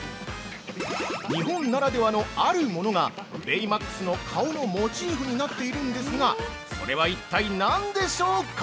日本ならではのあるものがベイマックスの顔のモチーフになっているんですがそれは一体なんでしょうか。